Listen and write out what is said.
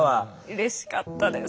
うれしかったです。